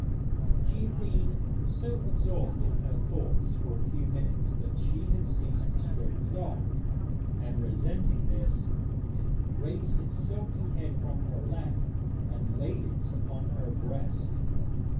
She had been so absorbed in her thoughts for a few minutes that she had ceased to stroke the dog, and, resenting this, it raised its silky head from her lap and laid it upon her breast.